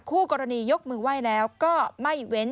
คู่กรณียกมือไหว้แล้วก็ไม่เว้น